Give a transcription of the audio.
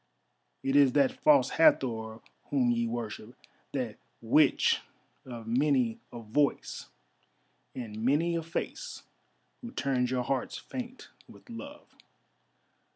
"It is that False Hathor whom ye worship, that Witch of many a voice and many a face who turns your hearts faint with love.